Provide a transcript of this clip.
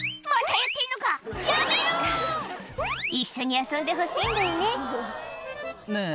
一緒に遊んでほしいんだよねねぇ